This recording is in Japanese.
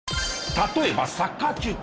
例えばサッカー中継。